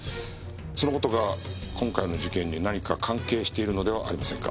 その事が今回の事件に何か関係しているのではありませんか？